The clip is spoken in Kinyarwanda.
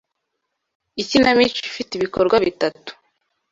Ikinamico ifite ibikorwa bitatu.